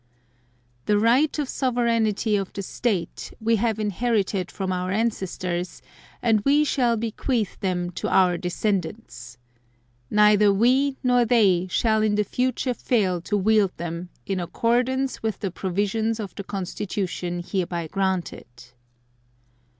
The right of sovereignty of the State, We have inherited from Our Ancestors, and We shall bequeath them to Our descendants. Neither We nor they shall in the future fail to wield them, in accordance with the provisions of the Constitution hereby granted.